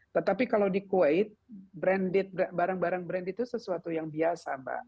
tetapi kalau di kuwait branded barang barang branded itu sesuatu yang biasa mbak